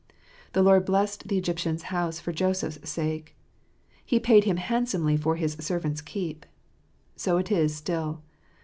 " The Lord blessed the Egyptian's house for Joseph's sake "; He paid him handsomely for His servant's keep. So is it still.